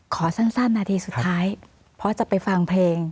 ขอสั้นนาทีสุดท้ายเพราะจะไปฟังเพลง